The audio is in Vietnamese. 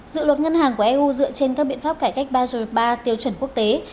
dự luật ngân hàng của eu dựa trên các biện pháp cải cách bajo ba tiêu chuẩn quốc tế